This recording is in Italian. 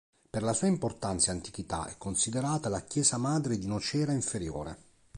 Per la sua importanza e antichità è considerata la chiesa madre di Nocera Inferiore.